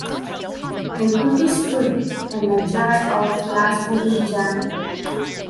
He put his foot in a jar of raspberry Jam.